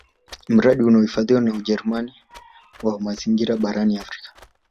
Mradi unaofadhiliwa na Ujerumani wa mazingira barani Afrika